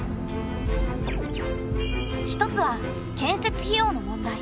一つは建設費用の問題。